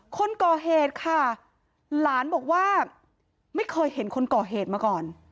คนก่อเหตุค่ะหลานบอกว่าไม่เคยเห็นคนก่อเหตุมาก่อน